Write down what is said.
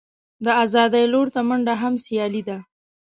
د آزادۍ لور ته منډه هم خیالي ده.